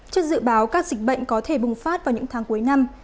trước dự báo các dịch bệnh có thể bùng phát vào những tháng cuối năm